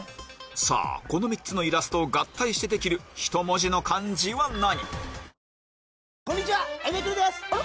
さぁこの３つのイラストを合体してできる１文字の漢字は何？